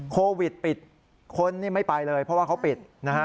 โควิดปิดคนนี่ไม่ไปเลยเพราะว่าเขาปิดนะฮะ